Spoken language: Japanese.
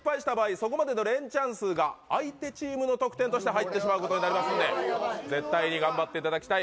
そこまでのレンチャン数が相手チームの得点として入ってしまうことになりますので絶対に頑張っていただきたい。